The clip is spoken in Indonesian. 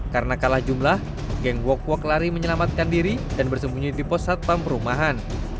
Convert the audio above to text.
karena kalah jumlah geng wok wok lari menyelamatkan diri dan bersembunyi di pos satpam perumahan